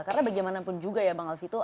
karena bagaimanapun juga ya bang alfie itu